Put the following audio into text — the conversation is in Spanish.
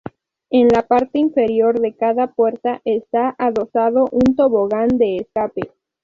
En la parte inferior de cada puerta está adosado un tobogán de escape.